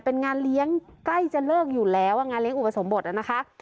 เป็นงานเลี้ยงใกล้จะเลิกอยู่แล้วงานเลี้ยอุปสมบทนะคะ